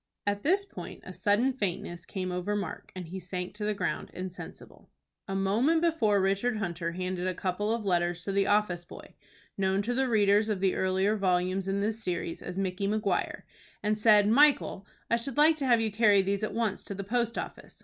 At this point a sudden faintness came over Mark, and he sank to the ground insensible. A moment before Richard Hunter handed a couple of letters to the office boy, known to the readers of the earlier volumes in this series as Micky Maguire, and said, "Michael, I should like to have you carry these at once to the post office.